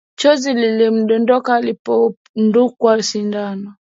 Chozi lilimdondoka alipodungwa sindano